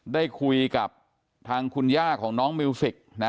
ได้คุยกับทางคุณย่าของน้องมิวสิกนะ